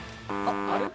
あれ？